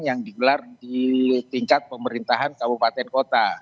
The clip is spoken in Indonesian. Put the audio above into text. yang digelar di tingkat pemerintahan kabupaten kota